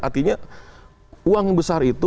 artinya uang besar itu